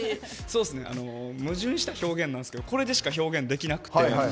矛盾した表現なんですけどこれでしか表現できなくて。